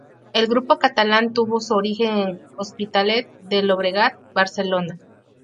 El grupo catalán tuvo su origen en Hospitalet de Llobregat, Barcelona.